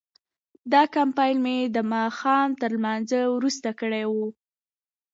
دا کمپاین مې د ماښام تر لمانځه وروسته کړی و.